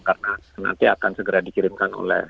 karena nanti akan segera dikirimkan oleh